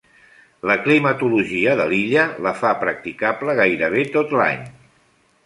La climatologia de l’illa la fa practicable gairebé tot l’any.